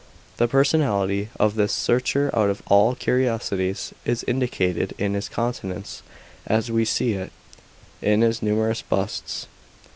The personality of this " searcher out of all curiosities '* is indicated in his countenance as we ses it in his numerous busts.